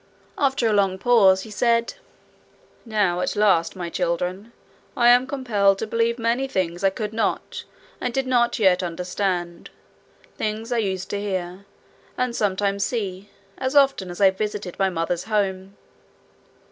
After a long pause he said: 'Now at last, MY children, I am compelled to believe many things I could not and do not yet understand things I used to hear, and sometimes see, as often as I visited my mother's home.